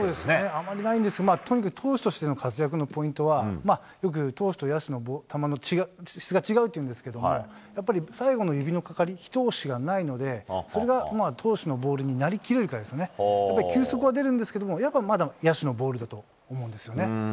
あまりないんですが、とにかく投手としての活躍のポイントは、よく投手と野手の球の質が違うっていうんですけれども、やっぱり最後の指のかかり、一押しがないので、それが投手のボールになりきれるかですね、やっぱり球速は出るんですけども、やっぱまだ野手のボールだと思うんですね。